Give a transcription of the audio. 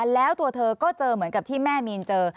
แล้วตัวเธอก็เจอเหมือนกับที่แม่มีนเจอ